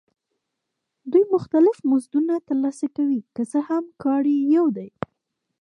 دوی مختلف مزدونه ترلاسه کوي که څه هم کار یې یو دی